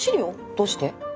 どうして？